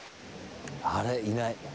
あれいない。